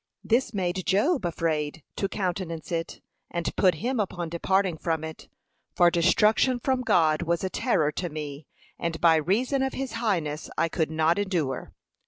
This made Job afraid to countenance it, and put him upon departing from it; 'For destruction from God was a terror to me, and by reason of his highness I could not endure.'